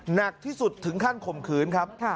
หนักที่สุดถึงขั้นข่มขืนครับ